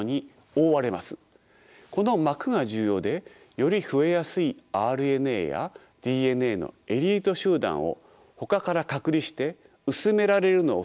この膜が重要でより増えやすいＲＮＡやＤＮＡのエリート集団をほかから隔離して薄められるのを防ぐ働きがあります。